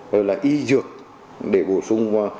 hoặc là y dược để bổ sung